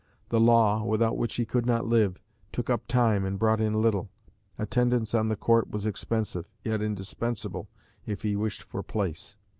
The law, without which he could not live, took up time and brought in little. Attendance on the Court was expensive, yet indispensable, if he wished for place.